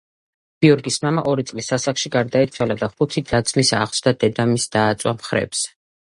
გიორგის მამა ორი წლის ასაკში გარდაეცვალა და ხუთი და-ძმის აღზრდა დედამისს დააწვა მხრებზე.